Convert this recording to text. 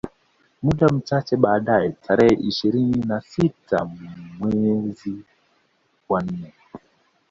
Muda mchache baadae tarehe ishirini na sita mezi wa nne